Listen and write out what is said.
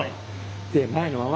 手前のまま。